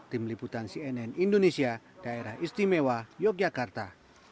tim liputan cnn indonesia daerah istimewa yogyakarta